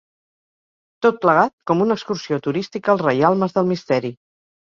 Tot plegat, com una excursió turística als reialmes del Misteri.